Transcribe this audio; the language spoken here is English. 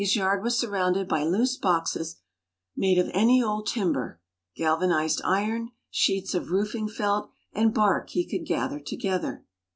His yard was surrounded by loose boxes made of any old timber, galvanized iron, sheets of roofing felt, and bark he could gather together.